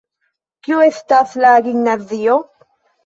Kio estas la gimnazio?